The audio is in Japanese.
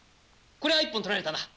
こりゃ一本取られたな。